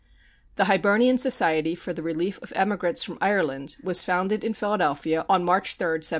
The Hibernian Society for the Relief of Emigrants from Ireland was founded in Philadelphia on March 3, 1790.